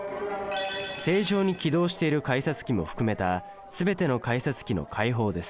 正常に起動している改札機も含めた全ての改札機の開放です。